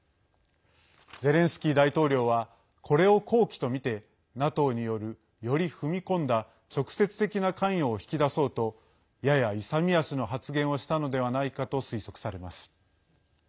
ゼレンスキー大統領はこれを好機とみてＮＡＴＯによる、より踏み込んだ直接的な関与を引き出そうとやや勇み足の発言をしたのではないかと推測されます。